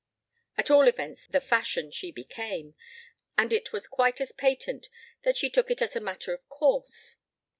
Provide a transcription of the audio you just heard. At all events the fashion she became, and it was quite as patent that she took it as a matter of course.